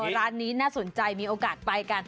ร้านนี้น่าสนใจมีโอกาสไปกัน